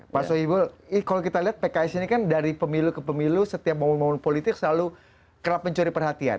pak soebul kalau kita lihat pks ini kan dari pemilu ke pemilu setiap momen momen politik selalu kerap mencuri perhatian